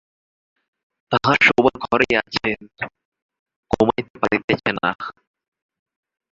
তাঁহার শোবার ঘরেই আছেন, ঘুমাইতে পারিতেছেন না।